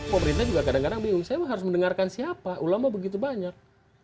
pemerintah juga kadang kadang bingung saya harus mendengarkan siapa ulama begitu banyak